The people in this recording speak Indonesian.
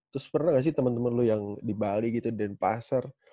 terus pernah nggak sih temen temen lu yang di bali gitu di pasar